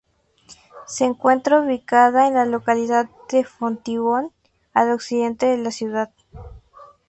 Se encuentra ubicada en la localidad de Fontibón, al occidente de la ciudad.